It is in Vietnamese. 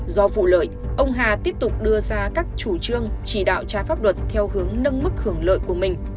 do vụ lợi ông hà tiếp tục đưa ra các chủ trương chỉ đạo trái pháp luật theo hướng nâng mức hưởng lợi của mình